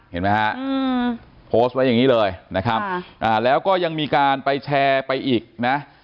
เห็นไหมฮะโพสต์ไว้อย่างนี้เลยนะครับแล้วก็ยังมีการไปแชร์ไปอีกนะ